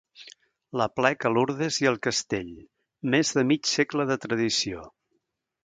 L'aplec a Lurdes i al Castell, més de mig segle de tradició.